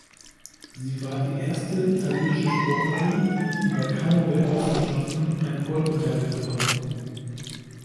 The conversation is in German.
Sie war die erste italienische Sportlerin, die bei Kanu-Weltmeisterschaften eine Goldmedaille gewann.